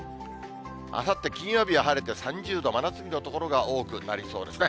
あさって金曜日は晴れて３０度、真夏日の所が多くなりそうですね。